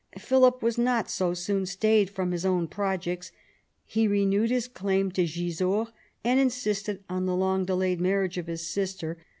Philip was not so soon stayed from his own projects. He renewed his claim to Gisors, and insisted on the long delayed marriage of his sister.